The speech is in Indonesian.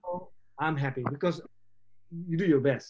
kalian melakukan yang terbaik